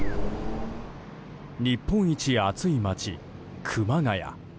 日本一暑い街、熊谷。